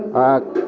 và quan trọng là